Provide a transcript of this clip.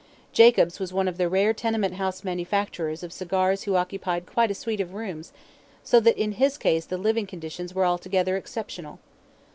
Jacobs was one of the rare tenement house manufacturers of cigars who occupied quite a suite of rooms, so that in his case the living conditions were altogether exceptional.